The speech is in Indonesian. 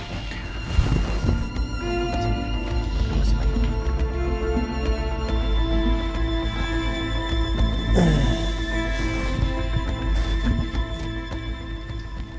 terima kasih banyak